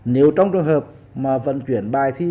nếu trong trường hợp vận chuyển bài thi